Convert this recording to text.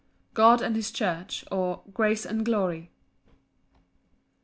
God and his church; or, Grace and glory.